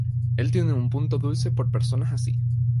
Él tiene un punto dulce por personas así.